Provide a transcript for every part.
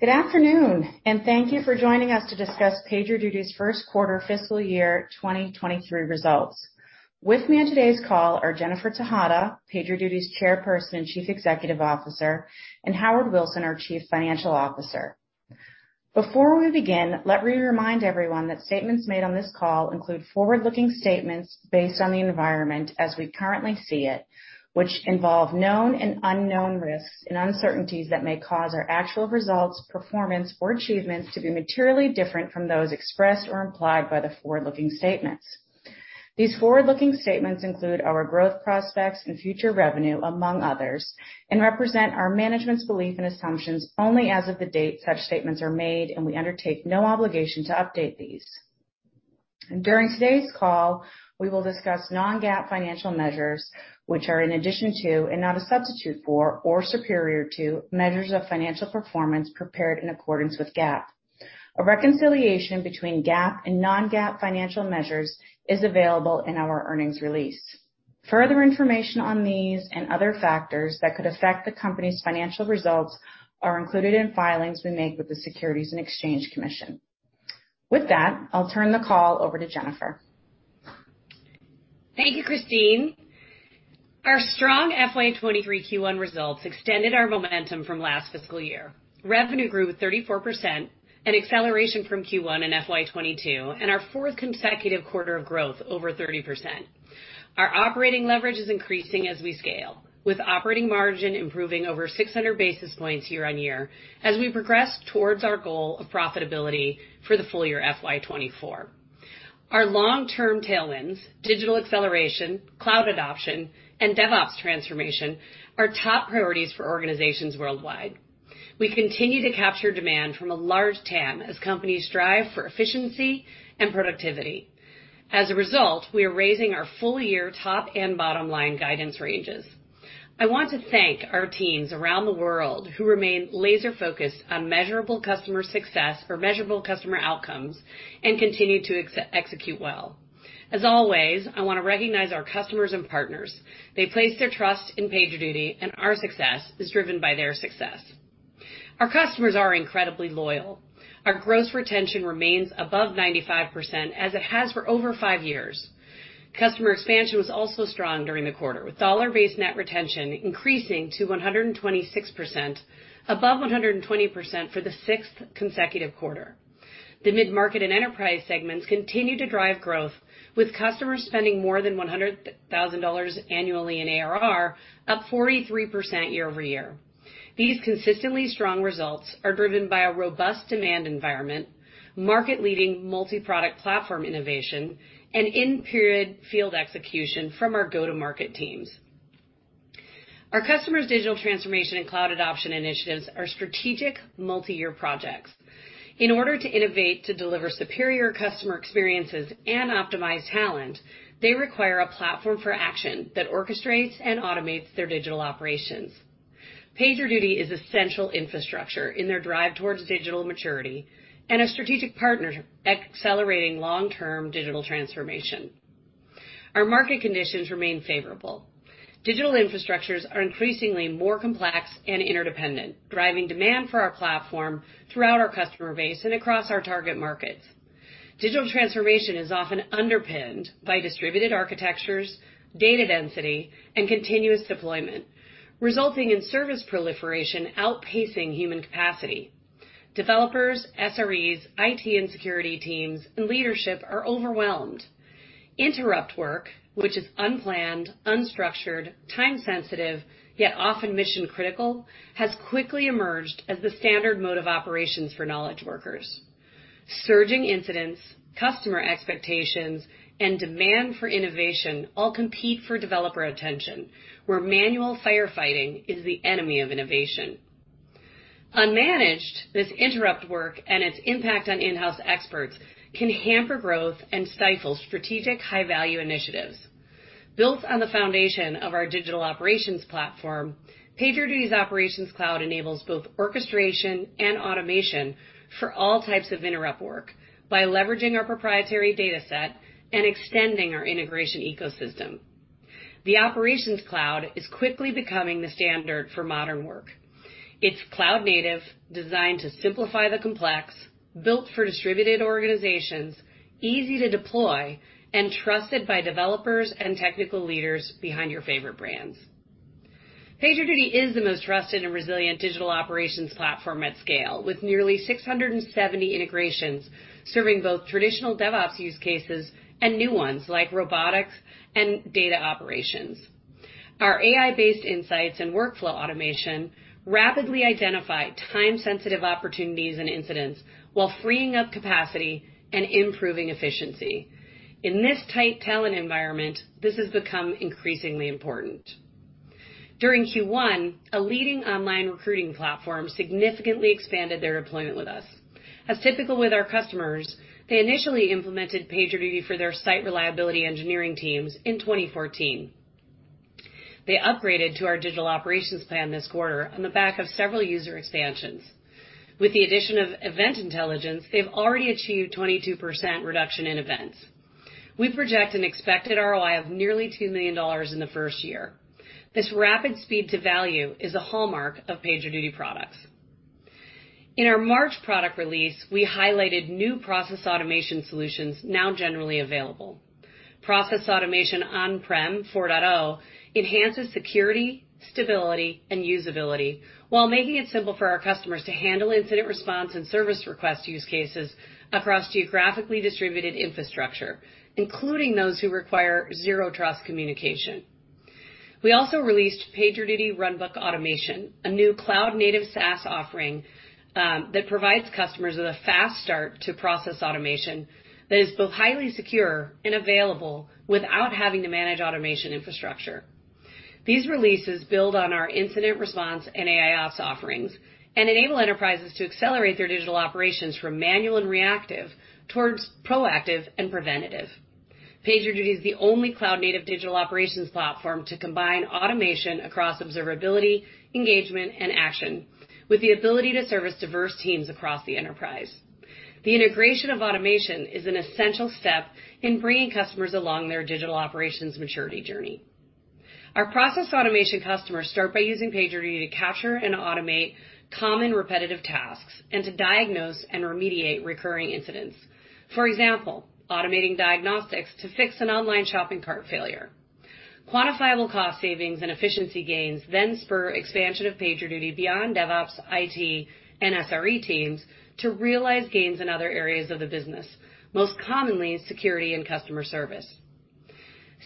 Good afternoon, and thank you for joining us to discuss PagerDuty's first quarter fiscal year 2023 results. With me on today's call are Jennifer Tejada, PagerDuty's Chairperson and Chief Executive Officer, and Howard Wilson, our Chief Financial Officer. Before we begin, let me remind everyone that statements made on this call include forward-looking statements based on the environment as we currently see it, which involve known and unknown risks and uncertainties that may cause our actual results, performance, or achievements to be materially different from those expressed or implied by the forward-looking statements. These forward-looking statements include our growth prospects and future revenue, among others, and represent our management's belief and assumptions only as of the date such statements are made, and we undertake no obligation to update these. During today's call, we will discuss non-GAAP financial measures, which are in addition to and not a substitute for or superior to measures of financial performance prepared in accordance with GAAP. A reconciliation between GAAP and non-GAAP financial measures is available in our earnings release. Further information on these and other factors that could affect the company's financial results are included in filings we make with the Securities and Exchange Commission. With that, I'll turn the call over to Jennifer. Thank you, Christine. Our strong FY 2023 Q1 results extended our momentum from last fiscal year. Revenue grew 34%, an acceleration from Q1 in FY 2022, and our fourth consecutive quarter of growth over 30%. Our operating leverage is increasing as we scale, with operating margin improving over 600 basis points year-on-year as we progress towards our goal of profitability for the full year FY 2024. Our long-term tailwinds, digital acceleration, cloud adoption, and DevOps transformation are top priorities for organizations worldwide. We continue to capture demand from a large TAM as companies strive for efficiency and productivity. As a result, we are raising our full year top and bottom line guidance ranges. I want to thank our teams around the world who remain laser-focused on measurable customer success for measurable customer outcomes and continue to execute well. As always, I wanna recognize our customers and partners. They place their trust in PagerDuty, and our success is driven by their success. Our customers are incredibly loyal. Our gross retention remains above 95%, as it has for over 5 years. Customer expansion was also strong during the quarter, with dollar-based net retention increasing to 126%, above 120% for the 6th consecutive quarter. The mid-market and enterprise segments continue to drive growth, with customers spending more than $100,000 annually in ARR, up 43% year-over-year. These consistently strong results are driven by a robust demand environment, market leading multiproduct platform innovation, and in-period field execution from our go-to-market teams. Our customers' digital transformation and cloud adoption initiatives are strategic multi-year projects. In order to innovate to deliver superior customer experiences and optimize talent, they require a platform for action that orchestrates and automates their digital operations. PagerDuty is essential infrastructure in their drive towards digital maturity and a strategic partner accelerating long-term digital transformation. Our market conditions remain favorable. Digital infrastructures are increasingly more complex and interdependent, driving demand for our platform throughout our customer base and across our target markets. Digital transformation is often underpinned by distributed architectures, data density, and continuous deployment, resulting in service proliferation outpacing human capacity. Developers, SREs, IT and security teams, and leadership are overwhelmed. Interrupt work, which is unplanned, unstructured, time-sensitive, yet often mission-critical, has quickly emerged as the standard mode of operations for knowledge workers. Surging incidents, customer expectations, and demand for innovation all compete for developer attention, where manual firefighting is the enemy of innovation. Unmanaged, this interrupt work and its impact on in-house experts can hamper growth and stifle strategic high-value initiatives. Built on the foundation of our digital operations platform, PagerDuty's Operations Cloud enables both orchestration and automation for all types of interrupt work by leveraging our proprietary data set and extending our integration ecosystem. The Operations Cloud is quickly becoming the standard for modern work. It's cloud native, designed to simplify the complex, built for distributed organizations, easy to deploy, and trusted by developers and technical leaders behind your favorite brands. PagerDuty is the most trusted and resilient digital operations platform at scale, with nearly 670 integrations serving both traditional DevOps use cases and new ones like robotics and data operations. Our AI-based insights and workflow automation rapidly identify time-sensitive opportunities and incidents while freeing up capacity and improving efficiency. In this tight talent environment, this has become increasingly important. During Q1, a leading online recruiting platform significantly expanded their deployment with us. As typical with our customers, they initially implemented PagerDuty for their site reliability engineering teams in 2014. They upgraded to our digital operations plan this quarter on the back of several user expansions. With the addition of Event Intelligence, they've already achieved 22% reduction in events. We project an expected ROI of nearly $2 million in the first year. This rapid speed to value is a hallmark of PagerDuty products. In our March product release, we highlighted new process automation solutions now generally available. Process Automation On-Prem 4.0 enhances security, stability, and usability while making it simple for our customers to handle incident response and service request use cases across geographically distributed infrastructure, including those who require zero-trust communication. We also released PagerDuty Runbook Automation, a new cloud-native SaaS offering, that provides customers with a fast start to process automation that is both highly secure and available without having to manage automation infrastructure. These releases build on our incident response and AIOps offerings and enable enterprises to accelerate their digital operations from manual and reactive towards proactive and preventative. PagerDuty is the only cloud-native digital operations platform to combine automation across observability, engagement, and action with the ability to service diverse teams across the enterprise. The integration of automation is an essential step in bringing customers along their digital operations maturity journey. Our process automation customers start by using PagerDuty to capture and automate common repetitive tasks and to diagnose and remediate recurring incidents. For example, automating diagnostics to fix an online shopping cart failure. Quantifiable cost savings and efficiency gains then spur expansion of PagerDuty beyond DevOps, IT, and SRE teams to realize gains in other areas of the business, most commonly security and customer service.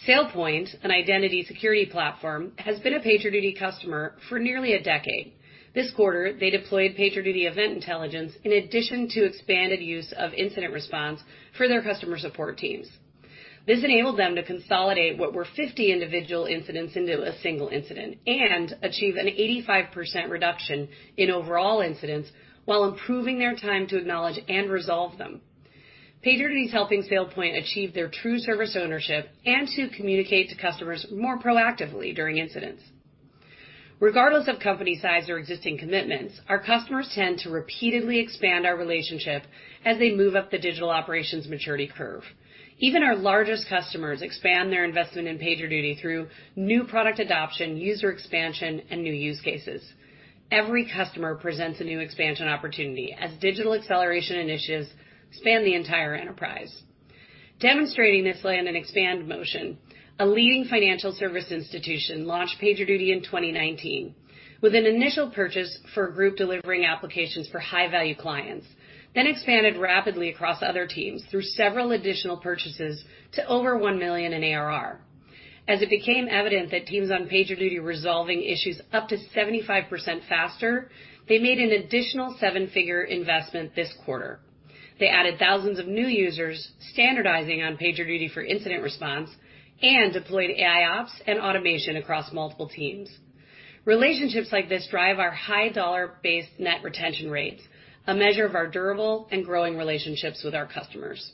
SailPoint, an identity security platform, has been a PagerDuty customer for nearly a decade. This quarter, they deployed PagerDuty Event Intelligence in addition to expanded use of incident response for their customer support teams. This enabled them to consolidate what were 50 individual incidents into a single incident and achieve an 85% reduction in overall incidents while improving their time to acknowledge and resolve them. PagerDuty is helping SailPoint achieve their true service ownership and to communicate to customers more proactively during incidents. Regardless of company size or existing commitments, our customers tend to repeatedly expand our relationship as they move up the digital operations maturity curve. Even our largest customers expand their investment in PagerDuty through new product adoption, user expansion, and new use cases. Every customer presents a new expansion opportunity as digital acceleration initiatives span the entire enterprise. Demonstrating this land and expand motion, a leading financial service institution launched PagerDuty in 2019 with an initial purchase for a group delivering applications for high-value clients, then expanded rapidly across other teams through several additional purchases to over $1 million in ARR. As it became evident that teams on PagerDuty resolving issues up to 75% faster, they made an additional seven-figure investment this quarter. They added thousands of new users standardizing on PagerDuty for incident response and deployed AIOps and automation across multiple teams. Relationships like this drive our high dollar-based net retention rates, a measure of our durable and growing relationships with our customers.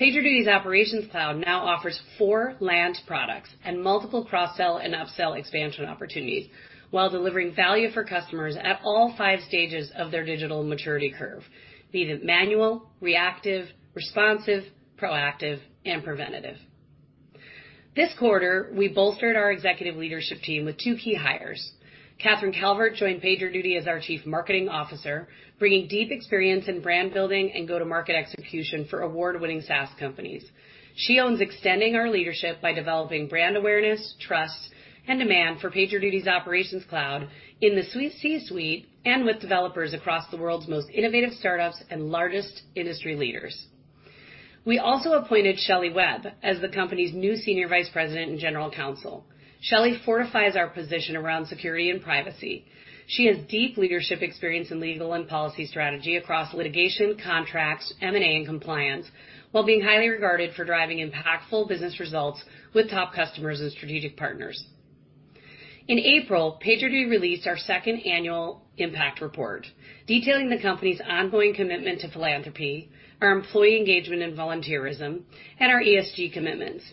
PagerDuty's Operations Cloud now offers four land products and multiple cross-sell and upsell expansion opportunities while delivering value for customers at all five stages of their digital maturity curve, be it manual, reactive, responsive, proactive, and preventative. This quarter, we bolstered our executive leadership team with two key hires. Catherine Calvert joined PagerDuty as our Chief Marketing Officer, bringing deep experience in brand building and go-to-market execution for award-winning SaaS companies. She owns extending our leadership by developing brand awareness, trust, and demand for PagerDuty's Operations Cloud in the C-suite and with developers across the world's most innovative startups and largest industry leaders. We also appointed Shelley Webb as the company's new Senior Vice President and General Counsel. Shelley fortifies our position around security and privacy. She has deep leadership experience in legal and policy strategy across litigation, contracts, M&A, and compliance, while being highly regarded for driving impactful business results with top customers and strategic partners. In April, PagerDuty released our second annual impact report, detailing the company's ongoing commitment to philanthropy, our employee engagement and volunteerism, and our ESG commitments.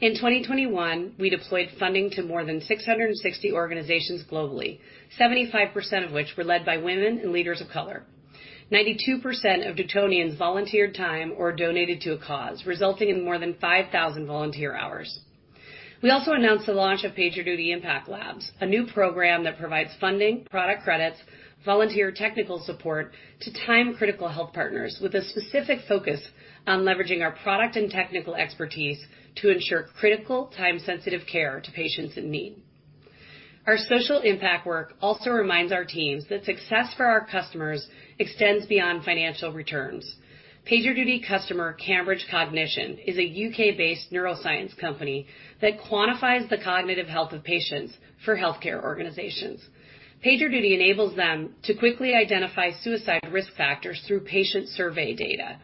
In 2021, we deployed funding to more than 660 organizations globally, 75% of which were led by women and leaders of color. 92% of Dutonians volunteered time or donated to a cause, resulting in more than 5,000 volunteer hours. We also announced the launch of PagerDuty Impact Labs, a new program that provides funding, product credits, volunteer technical support to time-critical health partners with a specific focus on leveraging our product and technical expertise to ensure critical time-sensitive care to patients in need. Our social impact work also reminds our teams that success for our customers extends beyond financial returns. PagerDuty customer Cambridge Cognition is a U.K.-based neuroscience company that quantifies the cognitive health of patients for healthcare organizations. PagerDuty enables them to quickly identify suicide risk factors through patient survey data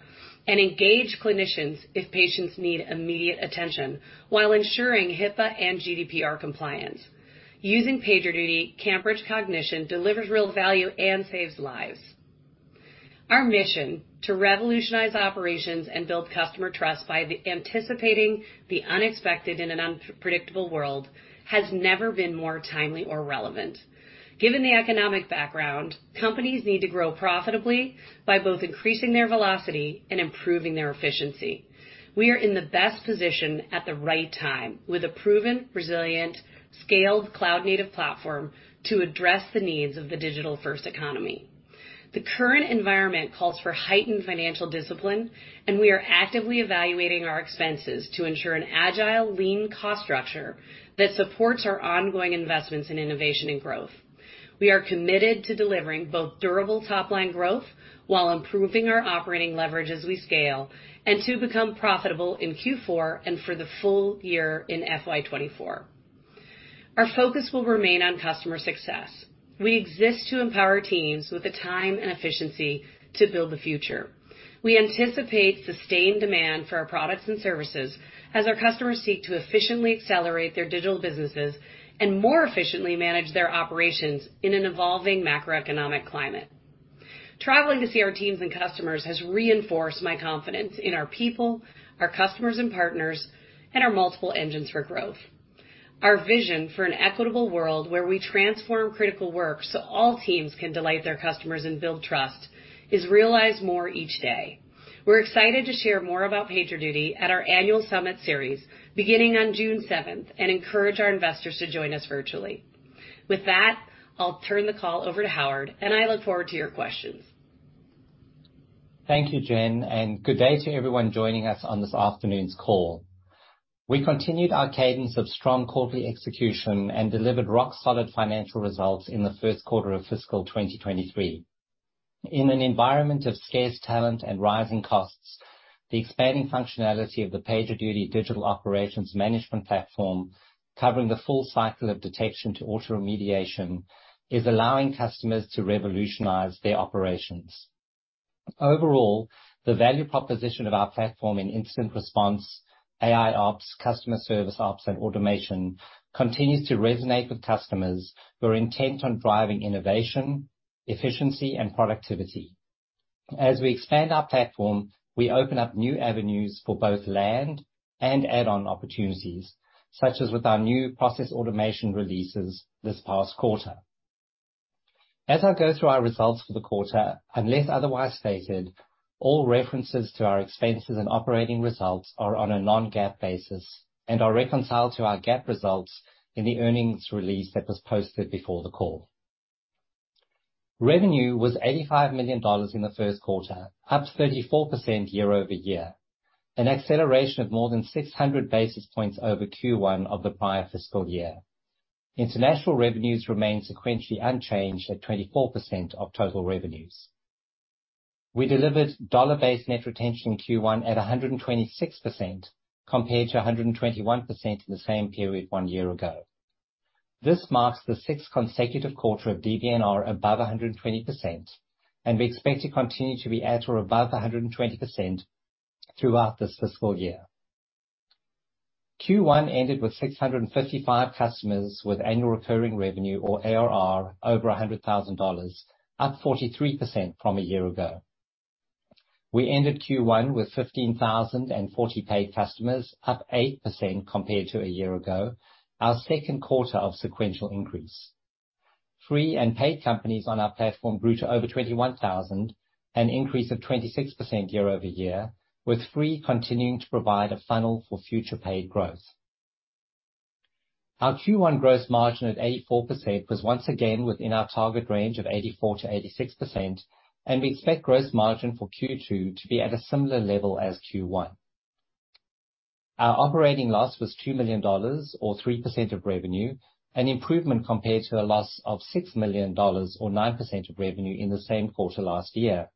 and engage clinicians if patients need immediate attention while ensuring HIPAA and GDPR compliance. Using PagerDuty, Cambridge Cognition delivers real value and saves lives. Our mission to revolutionize operations and build customer trust by anticipating the unexpected in an unpredictable world has never been more timely or relevant. Given the economic background, companies need to grow profitably by both increasing their velocity and improving their efficiency. We are in the best position at the right time, with a proven, resilient, scaled cloud native platform to address the needs of the digital first economy. The current environment calls for heightened financial discipline, and we are actively evaluating our expenses to ensure an agile, lean cost structure that supports our ongoing investments in innovation and growth. We are committed to delivering both durable top line growth while improving our operating leverage as we scale, and to become profitable in Q4 and for the full year in FY 2024. Our focus will remain on customer success. We exist to empower teams with the time and efficiency to build the future. We anticipate sustained demand for our products and services as our customers seek to efficiently accelerate their digital businesses and more efficiently manage their operations in an evolving macroeconomic climate. Traveling to see our teams and customers has reinforced my confidence in our people, our customers and partners, and our multiple engines for growth. Our vision for an equitable world where we transform critical work so all teams can delight their customers and build trust is realized more each day. We're excited to share more about PagerDuty at our annual summit series beginning on June 7, and encourage our investors to join us virtually. With that, I'll turn the call over to Howard, and I look forward to your questions. Thank you, Jen, and good day to everyone joining us on this afternoon's call. We continued our cadence of strong quarterly execution and delivered rock-solid financial results in the first quarter of fiscal 2023. In an environment of scarce talent and rising costs, the expanding functionality of the PagerDuty digital operations management platform, covering the full cycle of detection to auto remediation, is allowing customers to revolutionize their operations. Overall, the value proposition of our platform in incident response, AI ops, customer service ops and automation continues to resonate with customers who are intent on driving innovation, efficiency and productivity. As we expand our platform, we open up new avenues for both land and add-on opportunities, such as with our new process automation releases this past quarter. As I go through our results for the quarter, unless otherwise stated, all references to our expenses and operating results are on a non-GAAP basis and are reconciled to our GAAP results in the earnings release that was posted before the call. Revenue was $85 million in the first quarter, up 34% year-over-year, an acceleration of more than 600 basis points over Q1 of the prior fiscal year. International revenues remain sequentially unchanged at 24% of total revenues. We delivered dollar-based net retention in Q1 at 126%, compared to 121% in the same period one year ago. This marks the sixth consecutive quarter of DBNR above 120%, and we expect to continue to be at or above 120% throughout this fiscal year. Q1 ended with 655 customers with annual recurring revenue or ARR over $100,000, up 43% from a year ago. We ended Q1 with 15,040 paid customers, up 8% compared to a year ago, our second quarter of sequential increase. Free and paid companies on our platform grew to over 21,000, an increase of 26% year-over-year, with free continuing to provide a funnel for future paid growth. Our Q1 gross margin at 84% was once again within our target range of 84%-86%, and we expect gross margin for Q2 to be at a similar level as Q1. Our operating loss was $2 million or 3% of revenue, an improvement compared to a loss of $6 million or 9% of revenue in the same quarter last year.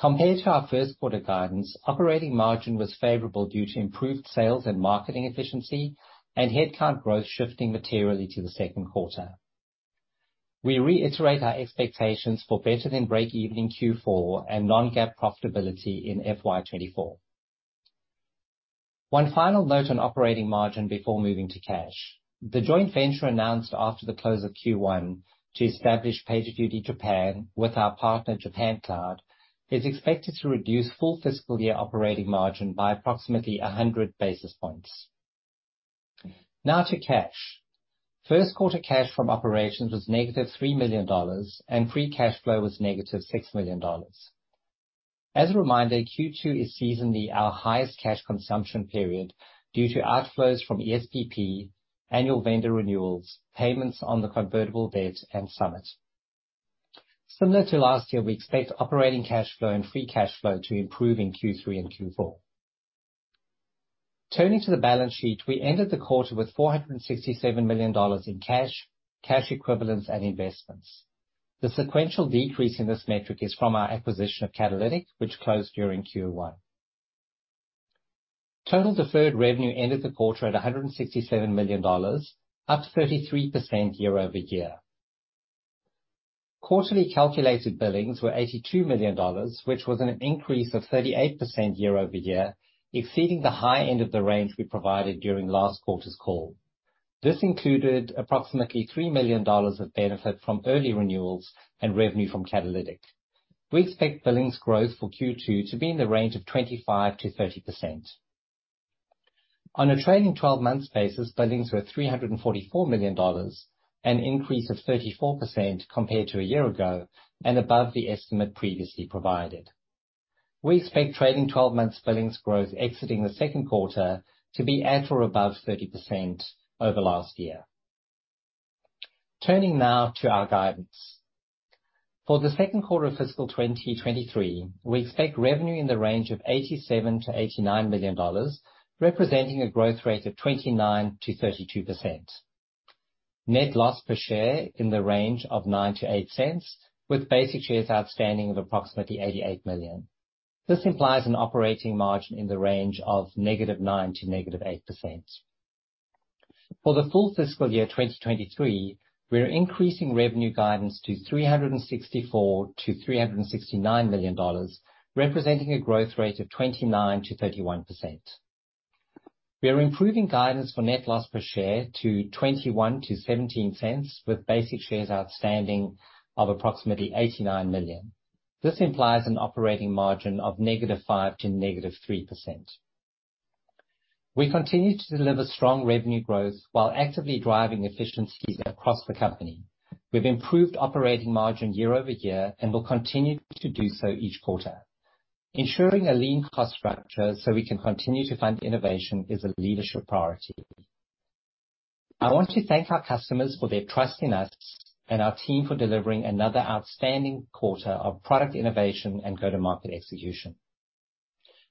Compared to our first quarter guidance, operating margin was favorable due to improved sales and marketing efficiency and headcount growth shifting materially to the second quarter. We reiterate our expectations for better than break-even in Q4 and non-GAAP profitability in FY 2024. One final note on operating margin before moving to cash. The joint venture announced after the close of Q1 to establish PagerDuty Japan with our partner Japan Cloud is expected to reduce full fiscal year operating margin by approximately 100 basis points. Now to cash. First quarter cash from operations was -$3 million, and free cash flow was -$6 million. As a reminder, Q2 is seasonally our highest cash consumption period due to outflows from ESPP, annual vendor renewals, payments on the convertible debts and summit. Similar to last year, we expect operating cash flow and free cash flow to improve in Q3 and Q4. Turning to the balance sheet, we ended the quarter with $467 million in cash equivalents and investments. The sequential decrease in this metric is from our acquisition of Catalytic, which closed during Q1. Total deferred revenue ended the quarter at $167 million, up 33% year over year. Quarterly calculated billings were $82 million, which was an increase of 38% year over year, exceeding the high end of the range we provided during last quarter's call. This included approximately $3 million of benefit from early renewals and revenue from Catalytic. We expect billings growth for Q2 to be in the range of 25%-30%. On a trailing twelve months basis, billings were $344 million, an increase of 34% compared to a year ago and above the estimate previously provided. We expect trailing twelve months billings growth exiting the second quarter to be at or above 30% over last year. Turning now to our guidance. For the second quarter of fiscal 2023, we expect revenue in the range of $87 million-$89 million, representing a growth rate of 29%-32%. Net loss per share in the range of -$0.09 to -$0.08, with basic shares outstanding of approximately 88 million. This implies an operating margin in the range of -9% to -8%. For the full fiscal year 2023, we're increasing revenue guidance to $364 million-$369 million, representing a growth rate of 29%-31%. We are improving guidance for net loss per share to -$0.21 to -$0.17, with basic shares outstanding of approximately 89 million. This implies an operating margin of -5% to -3%. We continue to deliver strong revenue growth while actively driving efficiencies across the company. We've improved operating margin year-over-year and will continue to do so each quarter. Ensuring a lean cost structure so we can continue to fund innovation is a leadership priority. I want to thank our customers for their trust in us and our team for delivering another outstanding quarter of product innovation and go-to-market execution.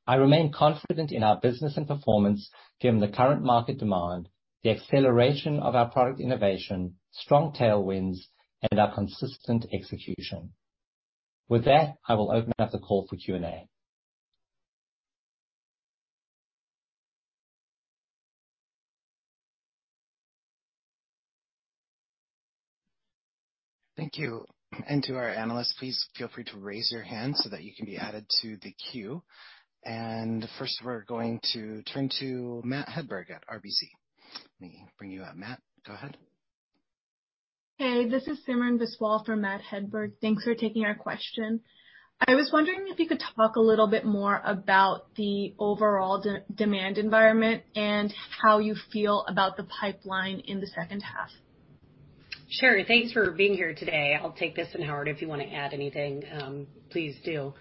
I remain confident in our business and performance given the current market demand, the acceleration of our product innovation, strong tailwinds, and our consistent execution. With that, I will open up the call for Q&A. Thank you. To our analysts, please feel free to raise your hand so that you can be added to the queue. First we're going to turn to Matt Hedberg at RBC. Let me bring you up, Matt. Go ahead. Hey, this is Simran Biswal for Matt Hedberg. Thanks for taking our question. I was wondering if you could talk a little bit more about the overall demand environment and how you feel about the pipeline in the second half? Sure. Thanks for being here today. I'll take this, and Howard, if you wanna add anything, please do.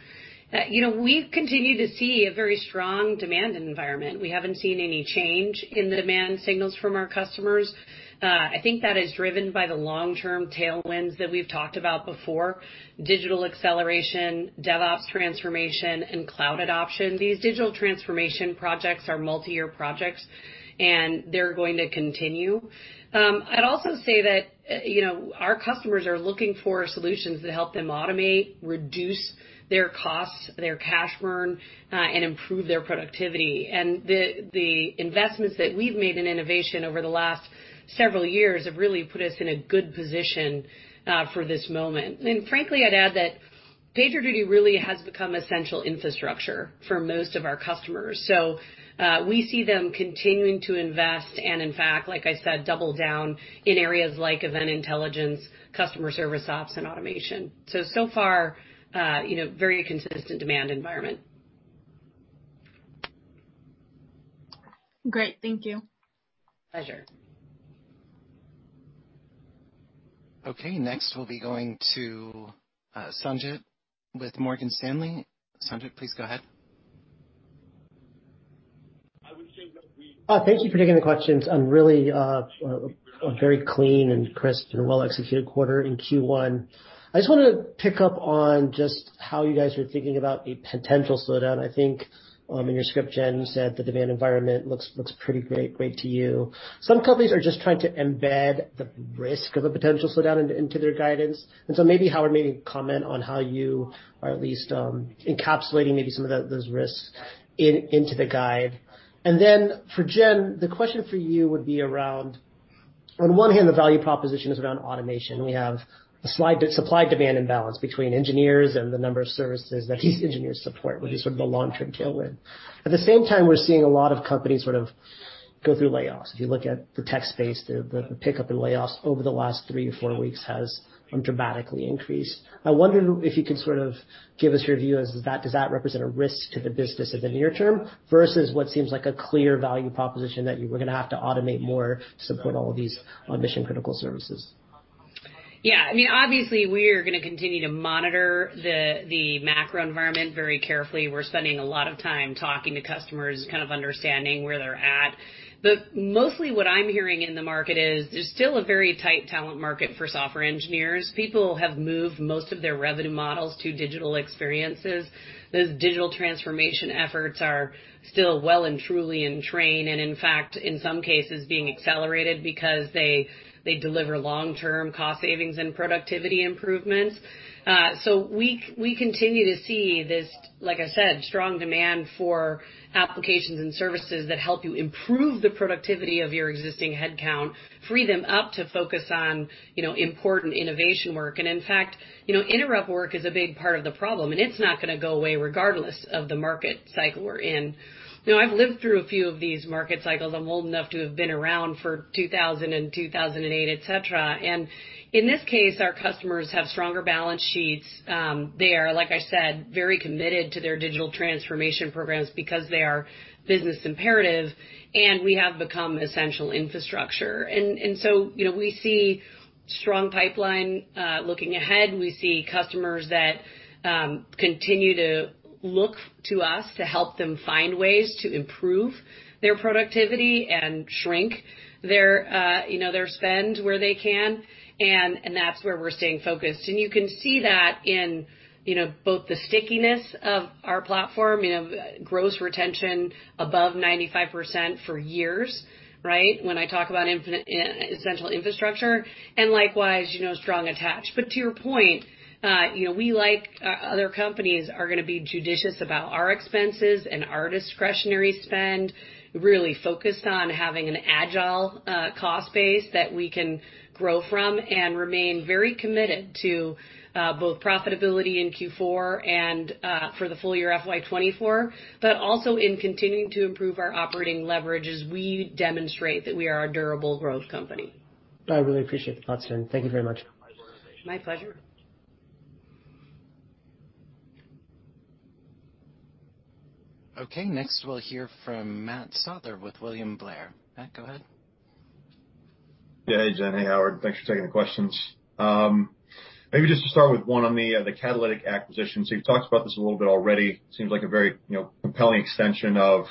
You know, we continue to see a very strong demand environment. We haven't seen any change in the demand signals from our customers. I think that is driven by the long-term tailwinds that we've talked about before, digital acceleration, DevOps transformation, and cloud adoption. These digital transformation projects are multi-year projects, and they're going to continue. I'd also say that, you know, our customers are looking for solutions to help them automate, reduce their costs, their cash burn, and improve their productivity. The investments that we've made in innovation over the last several years have really put us in a good position for this moment. Frankly, I'd add that PagerDuty really has become essential infrastructure for most of our customers. We see them continuing to invest, and in fact, like I said, double down in areas like Event Intelligence, Customer Service Ops, and automation. So far, you know, very consistent demand environment. Great. Thank you. Pleasure. Okay, next we'll be going to Sanjit with Morgan Stanley. Sanjit, please go ahead. Thank you for taking the questions on really, a very clean and crisp and well-executed quarter in Q1. I just want to pick up on just how you guys are thinking about a potential slowdown. I think, in your script, Jen, you said the demand environment looks pretty great to you. Some companies are just trying to embed the risk of a potential slowdown into their guidance. Maybe Howard, maybe comment on how you are at least, encapsulating maybe some of those risks into the guidance. Then for Jen, the question for you would be around, on one hand, the value proposition is around automation. We have a slide that supply-demand imbalance between engineers and the number of services that these engineers support, which is sort of the long-term tailwind. At the same time, we're seeing a lot of companies sort of go through layoffs. If you look at the tech space, the pickup in layoffs over the last 3-4 weeks has dramatically increased. I wonder if you could sort of give us your view as to does that represent a risk to the business in the near term versus what seems like a clear value proposition that you were gonna have to automate more to support all of these mission-critical services? Yeah. I mean, obviously we are gonna continue to monitor the macro environment very carefully. We're spending a lot of time talking to customers, kind of understanding where they're at. Mostly what I'm hearing in the market is there's still a very tight talent market for software engineers. People have moved most of their revenue models to digital experiences. Those digital transformation efforts are still well and truly in train, and in fact, in some cases being accelerated because they deliver long-term cost savings and productivity improvements. We continue to see this, like I said, strong demand for applications and services that help you improve the productivity of your existing headcount, free them up to focus on, you know, important innovation work. In fact, you know, interrupt work is a big part of the problem, and it's not gonna go away regardless of the market cycle we're in. Now I've lived through a few of these market cycles. I'm old enough to have been around for 2002 and 2008, et cetera. In this case, our customers have stronger balance sheets. They are, like I said, very committed to their digital transformation programs because they are business imperative, and we have become essential infrastructure. So, you know, we see strong pipeline looking ahead. We see customers that continue to look to us to help them find ways to improve their productivity and shrink their, you know, their spend where they can. That's where we're staying focused. You can see that in, you know, both the stickiness of our platform, you know, gross retention above 95% for years, right? When I talk about essential infrastructure, and likewise, you know, strong attach. To your point, you know, we, like other companies, are gonna be judicious about our expenses and our discretionary spend, really focused on having an agile, cost base that we can grow from and remain very committed to, both profitability in Q4 and, for the full year FY 2024, but also in continuing to improve our operating leverage as we demonstrate that we are a durable growth company. I really appreciate the thoughts, Jen. Thank you very much. My pleasure. Okay. Next, we'll hear from Matt Stotler with William Blair. Matt, go ahead. Yeah. Hey, Jen. Hey, Howard. Thanks for taking the questions. Maybe just to start with one on the Catalytic acquisition. You've talked about this a little bit already. Seems like a very, you know, compelling extension of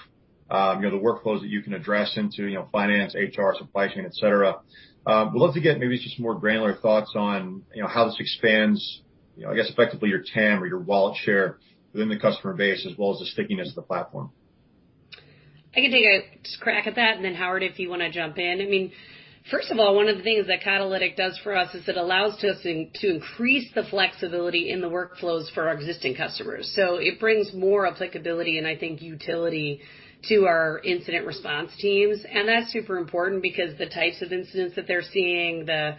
the workflows that you can address into finance, HR, supply chain, et cetera. Would love to get maybe just some more granular thoughts on how this expands, you know, I guess, effectively your TAM or your wallet share within the customer base as well as the stickiness of the platform. I can take a crack at that, and then Howard, if you wanna jump in. I mean, first of all, one of the things that Catalytic does for us is it allows us to increase the flexibility in the workflows for our existing customers. It brings more applicability and I think utility to our incident response teams. That's super important because the types of incidents that they're seeing, the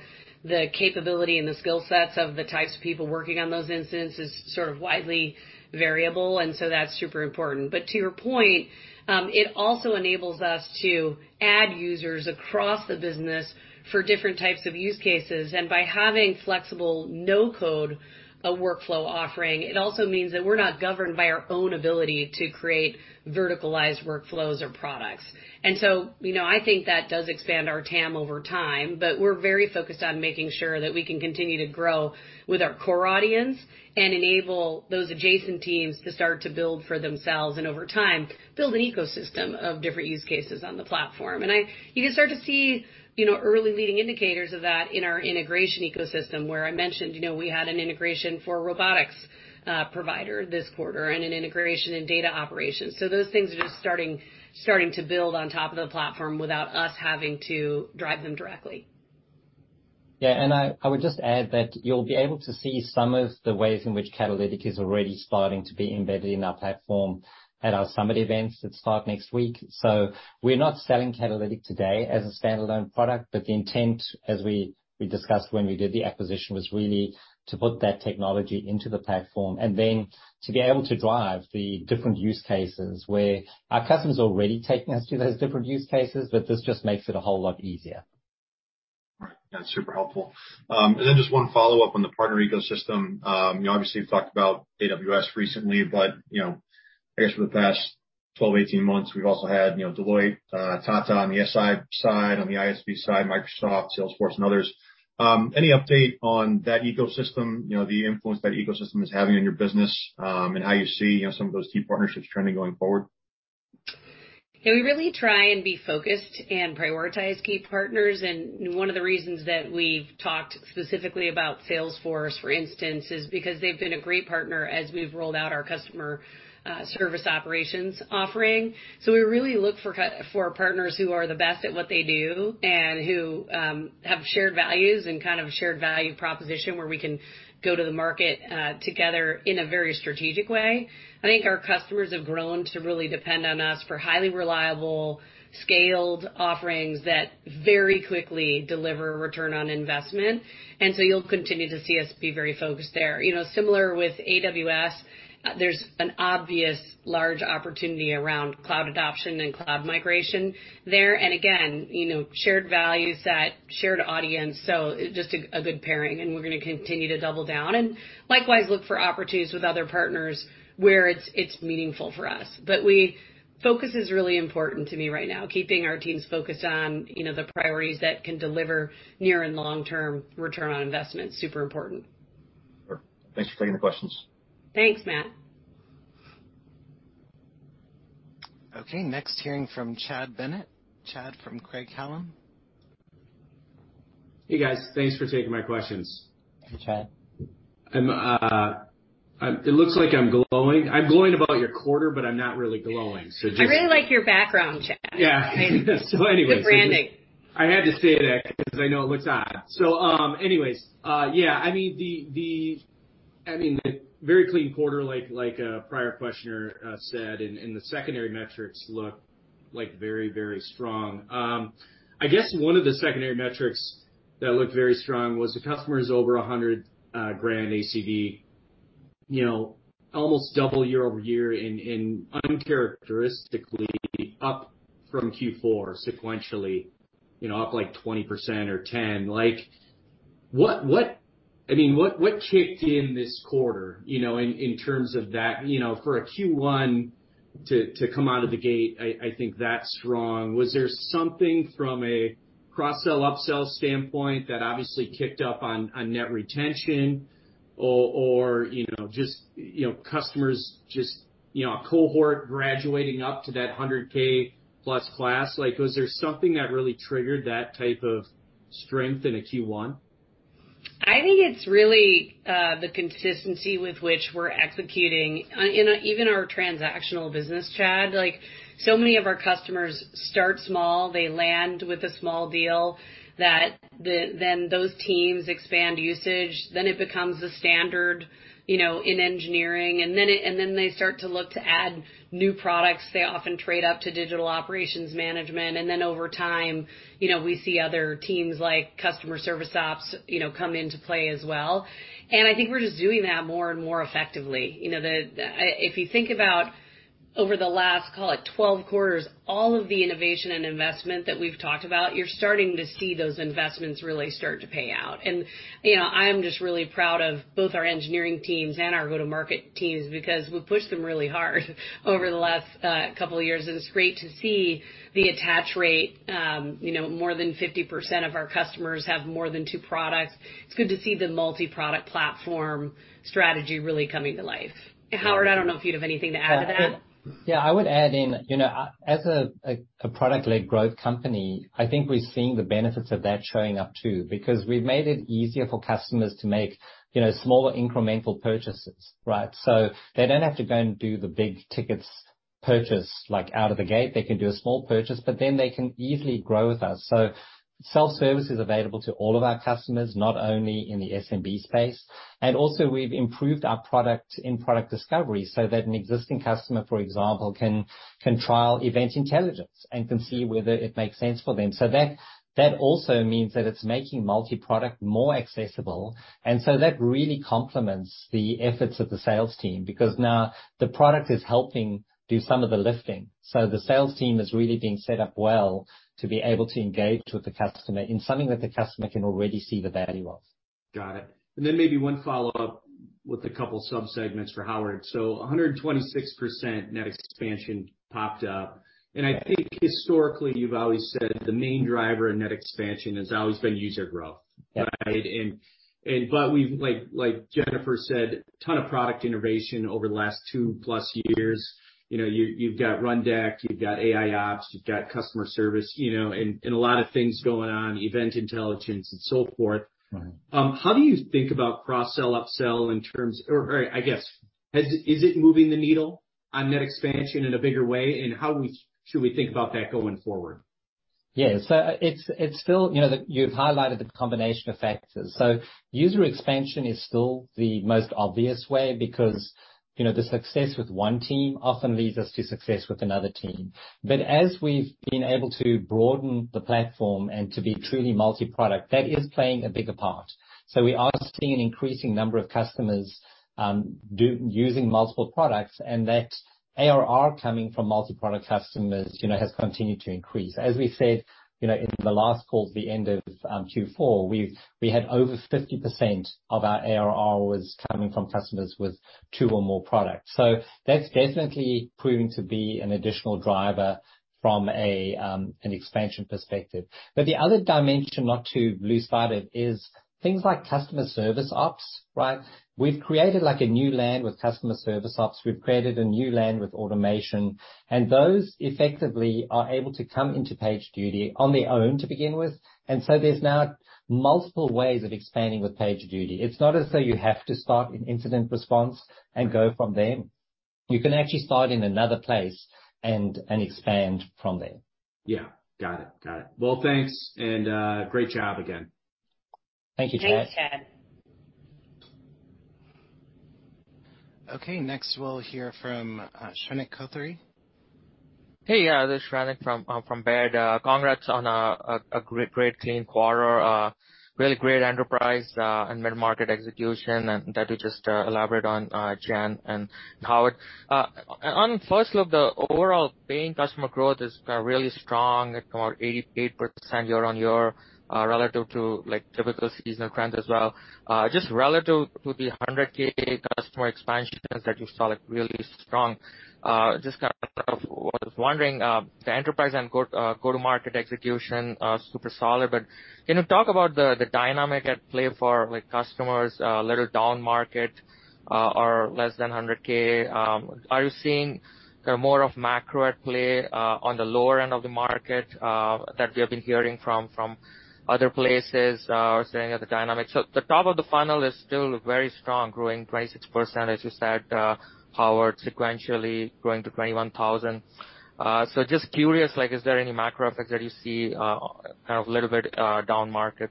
capability and the skill sets of the types of people working on those incidents is sort of widely variable, and so that's super important. To your point, it also enables us to add users across the business for different types of use cases. By having flexible no-code workflow offering, it also means that we're not governed by our own ability to create verticalized workflows or products. You know, I think that does expand our TAM over time, but we're very focused on making sure that we can continue to grow with our core audience and enable those adjacent teams to start to build for themselves, and over time, build an ecosystem of different use cases on the platform. You can start to see, you know, early leading indicators of that in our integration ecosystem, where I mentioned, you know, we had an integration for a robotics provider this quarter and an integration in data operations. Those things are just starting to build on top of the platform without us having to drive them directly. Yeah. I would just add that you'll be able to see some of the ways in which Catalytic is already starting to be embedded in our platform at our summit events that start next week. We're not selling Catalytic today as a standalone product, but the intent, as we discussed when we did the acquisition, was really to put that technology into the platform and then to be able to drive the different use cases where our customers are already taking us to those different use cases, but this just makes it a whole lot easier. Right. That's super helpful. Just one follow-up on the partner ecosystem. You know, obviously you've talked about AWS recently, but you know, I guess for the past 12-18 months, we've also had, you know, Deloitte, Tata on the SI side, on the ISV side, Microsoft, Salesforce and others. Any update on that ecosystem, you know, the influence that ecosystem is having on your business, and how you see, you know, some of those key partnerships trending going forward? Yeah, we really try and be focused and prioritize key partners, and one of the reasons that we've talked specifically about Salesforce, for instance, is because they've been a great partner as we've rolled out our customer service operations offering. We really look for for partners who are the best at what they do and who have shared values and kind of a shared value proposition where we can go to the market together in a very strategic way. I think our customers have grown to really depend on us for highly reliable, scaled offerings that very quickly deliver return on investment. You'll continue to see us be very focused there. You know, similar with AWS, there's an obvious large opportunity around cloud adoption and cloud migration there. Again, you know, shared values, that shared audience, so just a good pairing, and we're gonna continue to double down and likewise look for opportunities with other partners where it's meaningful for us. Focus is really important to me right now, keeping our teams focused on, you know, the priorities that can deliver near- and long-term return on investment. Super important. Sure. Thanks for taking the questions. Thanks, Matt. Okay, next hearing from Chad Bennett. Chad from Craig-Hallum. Hey, guys. Thanks for taking my questions. Hey, Chad. It looks like I'm glowing. I'm glowing about your quarter, but I'm not really glowing. Just- I really like your background, Chad. Yeah. Good branding. I had to say that because I know it looks odd. Yeah, I mean, the very clean quarter, like the prior questioner said, and the secondary metrics look like very strong. I guess one of the secondary metrics that looked very strong was the customers over 100 grand ARR. You know, almost double year-over-year and uncharacteristically up from Q4 sequentially, you know, up like 20% or 10%. Like, what I mean, what kicked in this quarter, you know, in terms of that? You know, for a Q1 to come out of the gate, I think that's strong. Was there something from a cross-sell/upsell standpoint that obviously kicked up on net retention? you know, just, you know, customers just, you know, a cohort graduating up to that 100K plus class? Like, was there something that really triggered that type of strength in a Q1? I think it's really the consistency with which we're executing. Even our transactional business, Chad. Like, so many of our customers start small. They land with a small deal, then those teams expand usage. Then it becomes the standard, you know, in engineering. And then they start to look to add new products. They often trade up to Digital Operations Management. And then over time, you know, we see other teams like Customer Service Ops, you know, come into play as well. And I think we're just doing that more and more effectively. You know, if you think about over the last, call it 12 quarters, all of the innovation and investment that we've talked about, you're starting to see those investments really start to pay out. You know, I'm just really proud of both our engineering teams and our go-to-market teams because we've pushed them really hard over the last couple of years, and it's great to see the attach rate. You know, more than 50% of our customers have more than two products. It's good to see the multi-product platform strategy really coming to life. Howard, I don't know if you'd have anything to add to that. Yeah, I would add in, you know, as a product-led growth company, I think we're seeing the benefits of that showing up too, because we've made it easier for customers to make, you know, smaller incremental purchases, right? They don't have to go and do the big tickets purchase, like, out of the gate. They can do a small purchase, but then they can easily grow with us. Self-service is available to all of our customers, not only in the SMB space. Also we've improved our product in product discovery so that an existing customer, for example, can trial Event Intelligence and can see whether it makes sense for them. That also means that it's making multi-product more accessible. That really complements the efforts of the sales team, because now the product is helping do some of the lifting. The sales team is really being set up well to be able to engage with the customer in something that the customer can already see the value of. Got it. Then maybe one follow-up with a couple sub-segments for Howard. One hundred and twenty-six percent net expansion popped up. I think historically you've always said the main driver in net expansion has always been user growth, right? Yeah. We've like Jennifer said, a ton of product innovation over the last two plus years. You know, you've got Rundeck, you've got AIOps, you've got customer service, you know, and a lot of things going on, Event Intelligence and so forth. Right. How do you think about cross-sell, up-sell in terms of, or I guess, is it moving the needle on net expansion in a bigger way? How should we think about that going forward? Yeah. It's still, you know, you've highlighted the combination of factors. User expansion is still the most obvious way because, you know, the success with one team often leads us to success with another team. As we've been able to broaden the platform and to be truly multi-product, that is playing a bigger part. We are seeing an increasing number of customers using multiple products, and that ARR coming from multi-product customers, you know, has continued to increase. As we said, you know, in the last call at the end of Q4, we had over 50% of our ARR was coming from customers with two or more products. That's definitely proving to be an additional driver from a an expansion perspective. The other dimension not to lose sight of is things like Customer Service Ops, right? We've created like a new land with Customer Service Ops. We've created a new land with automation, and those effectively are able to come into PagerDuty on their own to begin with. There's now multiple ways of expanding with PagerDuty. It's not as though you have to start an incident response and go from there. You can actually start in another place and expand from there. Yeah. Got it. Well, thanks. Great job again. Thank you, Chad. Thanks, Chad. Okay, next we'll hear from Shrenik Kothari. Hey, yeah. This is Shanik from Baird. Congrats on a great clean quarter. Really great enterprise and mid-market execution, and that we just elaborate on Jen and Howard. On first look, the overall paying customer growth is really strong at about 88% year-on-year, relative to like typical seasonal trends as well. Just relative to the 100K customer expansions that you saw, like really strong. Just kind of was wondering, the enterprise and go-to-market execution super solid. But can you talk about the dynamic at play for like customers little down market or less than 100K? Are you seeing kind of more of macro at play on the lower end of the market that we have been hearing from other places saying about the dynamics? The top of the funnel is still very strong, growing 26%, as you said, Howard, sequentially growing to 21,000. Just curious, like is there any macro effects that you see kind of a little bit down market?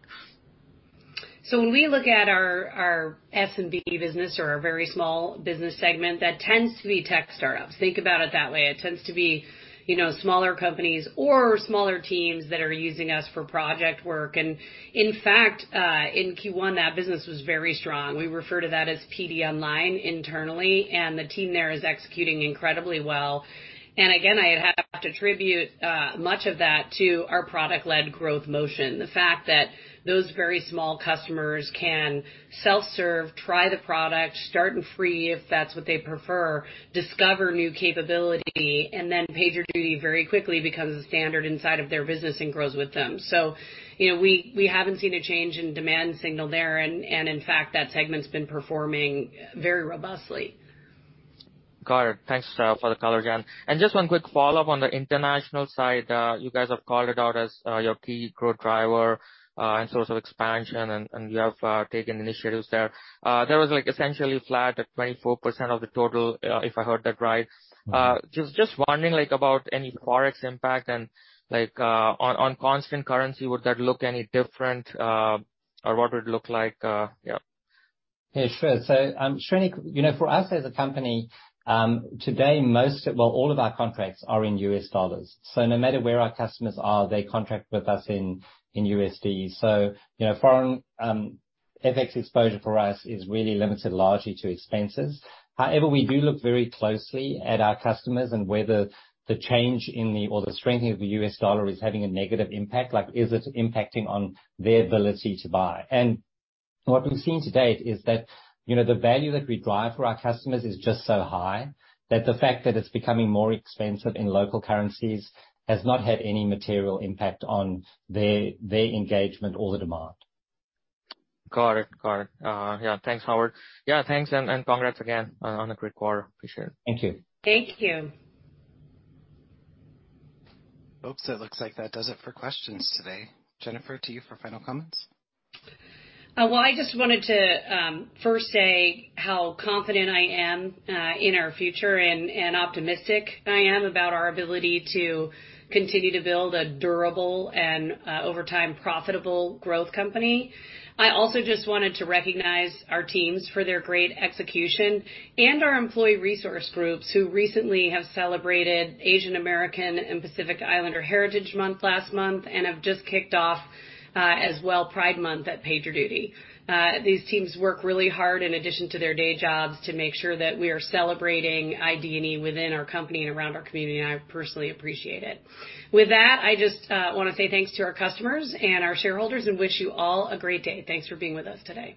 When we look at our SMB business or our very small business segment, that tends to be tech startups. Think about it that way. It tends to be, you know, smaller companies or smaller teams that are using us for project work. In fact, in Q1 that business was very strong. We refer to that as PD Online internally, and the team there is executing incredibly well. Again, I have to attribute much of that to our product-led growth motion. The fact that those very small customers can self-serve, try the product, start in free, if that's what they prefer, discover new capability, and then PagerDuty very quickly becomes a standard inside of their business and grows with them. You know, we haven't seen a change in demand signal there. In fact, that segment's been performing very robustly. Got it. Thanks for the color, Jen. Just one quick follow-up on the international side. You guys have called it out as your key growth driver and source of expansion, and you have taken initiatives there. That was like essentially flat at 24% of the total, if I heard that right. Just wondering like about any Forex impact and like on constant currency, would that look any different? Or what would it look like? Yeah. Yeah, sure. Srini, you know, for us as a company, today, well, all of our contracts are in U.S. dollars. No matter where our customers are, they contract with us in USD. You know, foreign FX exposure for us is really limited largely to expenses. However, we do look very closely at our customers and whether the change in FX or the strengthening of the U.S. dollar is having a negative impact, like is it impacting on their ability to buy. What we've seen to date is that, you know, the value that we drive for our customers is just so high that the fact that it's becoming more expensive in local currencies has not had any material impact on their engagement or the demand. Got it. Yeah. Thanks, Howard. Yeah, thanks and congrats again on a great quarter. Appreciate it. Thank you. Thank you. Folks, it looks like that does it for questions today. Jennifer, to you for final comments. Well, I just wanted to first say how confident I am in our future and optimistic I am about our ability to continue to build a durable and over time, profitable growth company. I also just wanted to recognize our teams for their great execution and our employee resource groups who recently have celebrated Asian American and Pacific Islander Heritage Month last month and have just kicked off as well Pride Month at PagerDuty. These teams work really hard in addition to their day jobs to make sure that we are celebrating ID and E within our company and around our community, and I personally appreciate it. With that, I just wanna say thanks to our customers and our shareholders and wish you all a great day. Thanks for being with us today.